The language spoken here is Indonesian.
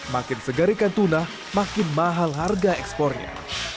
makin segarikan tuna makin mahal harga ekspornya